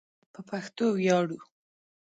په پښتو ویاړو